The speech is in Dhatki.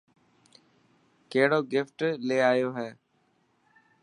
ڪهڙو گفٽ لي آيو هي.